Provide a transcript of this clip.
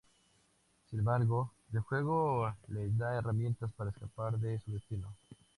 Sin embargo, el juego les da herramientas para escapar de su destino.